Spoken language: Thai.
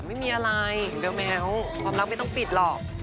ไม่มีอะไรแม้วความรักไม่ต้องปิดหรอก